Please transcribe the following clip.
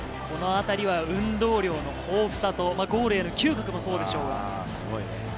このあたりは運動量の豊富さとゴールへの嗅覚もそうでしょうが。